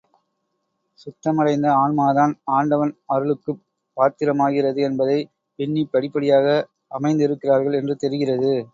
சுத்தமடைந்த ஆன்மாதான், ஆண்டவன் அருளுக்குப் பாத்திரமாகிறது என்பதைப் பின்னிப் படிப்படியாக அமைத்திருக்கிறார்கள் என்று தெரிகிறது.